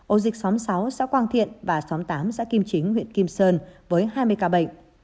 ổ dịch xóm sáu xã quang thiện và xóm tám xã kim chính huyện kim sơn với hai mươi ca bệnh